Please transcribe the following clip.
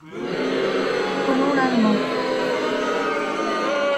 Prenons l’allemand.